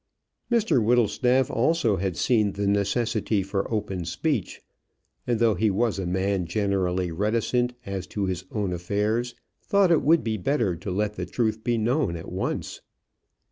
Mr Whittlestaff also had seen the necessity for open speech; and though he was a man generally reticent as to his own affairs, thought it would be better to let the truth be known at once.